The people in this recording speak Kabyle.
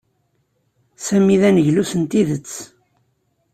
Sami d aneglus n tidet.